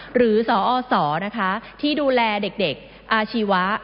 หรือสอศนะคะที่ดูแลเด็กอาชีวะ